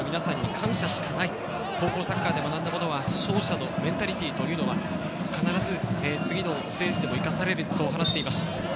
青森の皆さんに感謝しかない、高校サッカーで学んだものは、指導者のメンタリティーは必ず次のステージにも生かされると話しています。